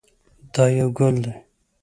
دا یو ګل دی.